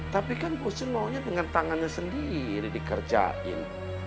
tapi kan bos jun lo nya dengan tangannya sendiri dikerjain